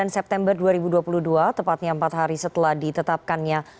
sembilan september dua ribu dua puluh dua tepatnya empat hari setelah ditetapkannya